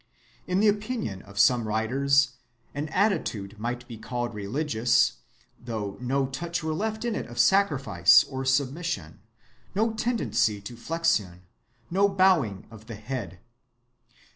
In the opinion of some writers an attitude might be called religious, though no touch were left in it of sacrifice or submission, no tendency to flexion, no bowing of the head.